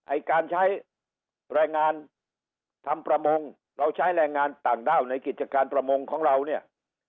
ไอ้การใช้แรงงานทำประมงเราใช้แรงงานต่างด้าวในกิจการประมงของเราเนี่ย